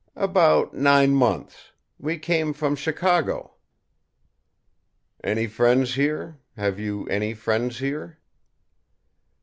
"About nine months. We came from Chicago." "Any friends here have you any friends here?"